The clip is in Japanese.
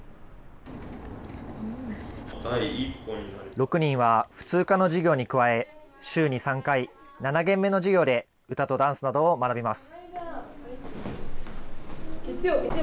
６人は普通科の授業に加え、週に３回、７限目の授業で、歌とダンスなどを学びます。